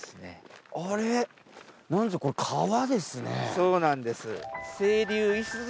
そうなんです。